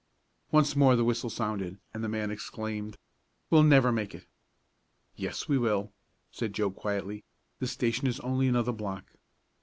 Once more the whistle sounded, and the man exclaimed: "We'll never make it!" "Yes, we will," said Joe quietly. "The station is only another block."